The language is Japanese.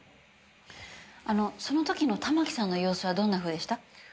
あのその時の玉木さんの様子はどんなふうでした？